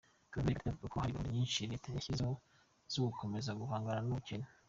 Claver Gatete, avuga ko hari gahunda nyinshi Leta yashyizeho zo gukomeza guhangana n’ubukene.